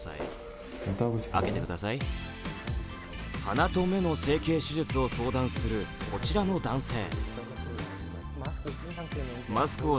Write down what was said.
鼻と目の整形手術を相談するこちらの男性。